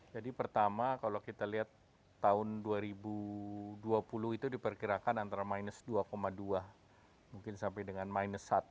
jadi pertama kalau kita lihat tahun dua ribu dua puluh itu diperkirakan antara minus dua dua mungkin sampai dengan minus satu